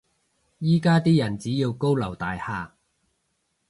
依家啲人只要高樓大廈